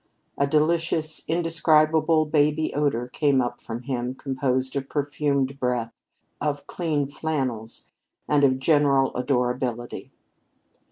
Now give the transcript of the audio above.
A delicious, indescribable baby odor came up from him, composed of perfumed breath, of clean flannels, and of general adorability.